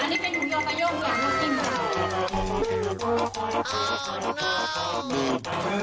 อันนี้เป็นหุงยอบตาโย่งหวงดูกลิ้ม